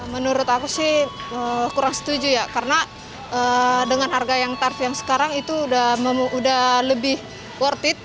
menurut aku sih kurang setuju ya karena dengan harga yang tarif yang sekarang itu udah lebih worth it